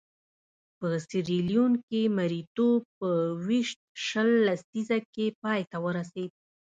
په سیریلیون کې مریتوب په ویشت شل لسیزه کې پای ته ورسېد.